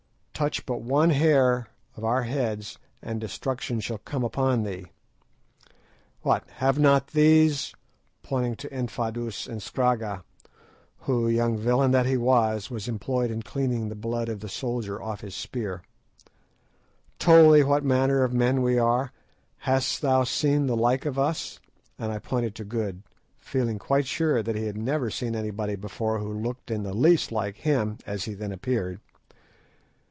Touch but one hair of our heads, and destruction shall come upon thee. What, have not these"—pointing to Infadoos and Scragga, who, young villain that he was, was employed in cleaning the blood of the soldier off his spear—"told thee what manner of men we are? Hast thou seen the like of us?" and I pointed to Good, feeling quite sure that he had never seen anybody before who looked in the least like him as he then appeared.